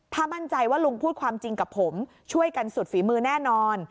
ถ้ามั่นใจว่าลุงพูดความจริงกับผมช่วยกันสุดฝีมือแน่นอน